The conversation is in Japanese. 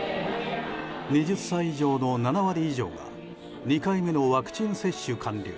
２０歳以上の７割以上が２回目のワクチン接種完了。